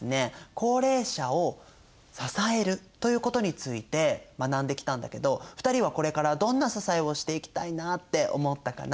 「高齢者を支える」ということについて学んできたんだけど２人はこれからどんな支えをしていきたいなって思ったかな？